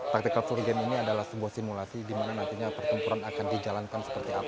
tactical floor game ini adalah sebuah simulasi di mana nantinya pertempuran akan dijalankan seperti apa nanti